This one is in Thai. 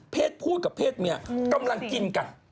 พูดกับเพศเมียกำลังกินกัน